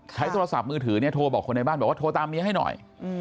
ใช้โทรศัพท์มือถือเนี่ยโทรบอกคนในบ้านบอกว่าโทรตามเมียให้หน่อย